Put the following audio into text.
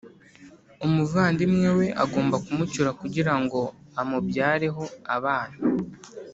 umuvandimwe we agomba kumucyura kugira ngo amubyareho abana